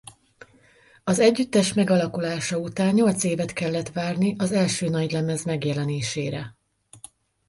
Az együttes megalakulása után nyolc évet kellett várni az első nagylemez megjelenésére.